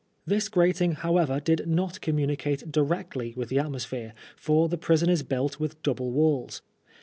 This grating, however, did not 3ommunicate directly with the atmosphere, for the prison is built with double walls.